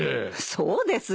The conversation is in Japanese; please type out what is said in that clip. そうですよ。